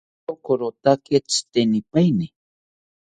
Noshokorotake tzitenipaeteni